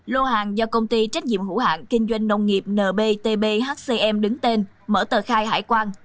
lô hàng do công ty trách nhiệm hữu hạng kinh doanh nông nghiệp nbtbhcm đứng tên mở tờ khai hải quan